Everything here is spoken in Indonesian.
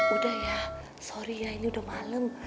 udah ya sorry ya ini udah malem